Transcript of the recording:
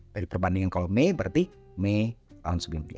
jadi perbandingan kalau mei berarti mei tahun sebelumnya